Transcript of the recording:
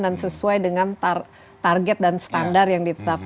dan sesuai dengan target dan standar yang ditetapkan